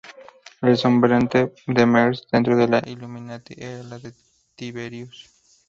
El sobrenombre de Merz dentro de los Illuminati era el de "Tiberius".